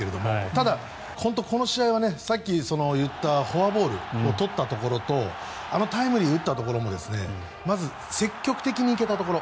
ただ、本当にこの試合はさっき言ったフォアボールを取ったところとあのタイムリーを打ったところもまず積極的に行けたところ。